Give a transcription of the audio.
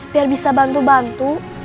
biar bisa bantu bantu